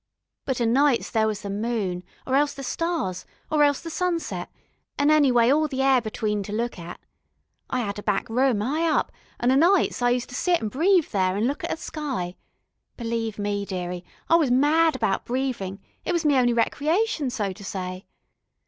But o' nights there was the moon, or else the stars, or else the sunset, an' anyway all the air between to look at. I 'ad a back room, 'igh up, and o' nights I use to sit an' breave there, an' look at the sky. Believe me, dearie, I was mad about breavin' it was me only recreation, so to say.